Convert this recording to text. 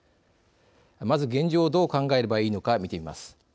まず、現状をどう考えればいいのか見てみます。